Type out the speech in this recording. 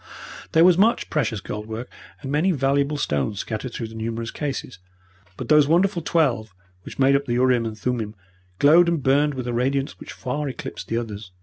There was much precious gold work and many valuable stones scattered through the numerous cases, but those wonderful twelve which made up the urim and thummim glowed and burned with a radiance which far eclipsed the others.